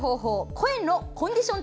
声のコンディション